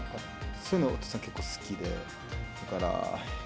そういうのお父さん結構好きで。